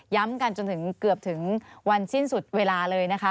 กันจนถึงเกือบถึงวันสิ้นสุดเวลาเลยนะคะ